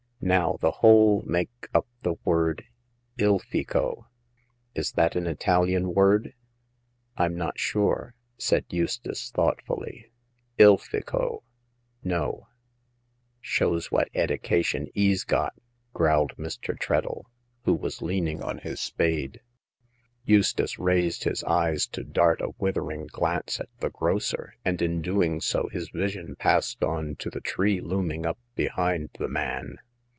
" Now, the whole make up the word * Ilfico.' Is that an Italian word ?*' "Fm not sure," said Eustace, thoughtfully. "* Ilfico.' No." " Shows what eddication 'e's got !" growled Mr. Treadle, who was leaning on his spade. Eustace raised his eyes to dart a withering glance at the grocer, and in doing so his vision passed on to the tree looming up behind the man.